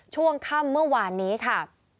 ช่วงค่ำเมื่อวานนี้ค่ะ